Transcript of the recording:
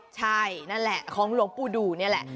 ใช่นั่นแหละของหลวงปู่ดูนี่แหละ